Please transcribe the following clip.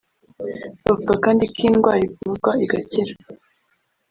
Bavuga kandi ko iyi ndwara ivurwa igakira